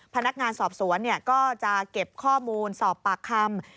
พนักงานสอบสวนก็จะเก็บข้อมูลสอบปากคำ